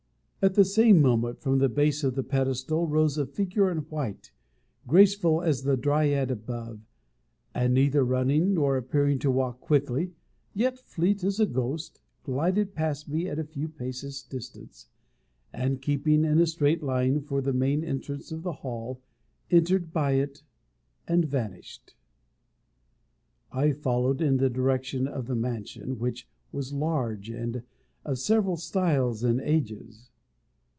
At the same moment, from the base of the pedestal rose a figure in white, graceful as the Dryad above, and neither running, nor appearing to walk quickly, yet fleet as a ghost, glided past me at a few paces, distance, and, keeping in a straight line for the main entrance of the hall, entered by it and vanished. I followed in the direction of the mansion, which was large, and of several styles and ages.